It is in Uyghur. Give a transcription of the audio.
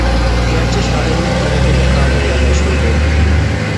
گەرچە شائىرلىق تەرىقىدە كامىل ۋە مەشھۇر بولدى.